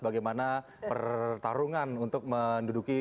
bagaimana pertarungan untuk menduduki